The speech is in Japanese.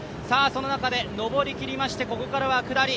その中で上りきりまして、ここからは下り。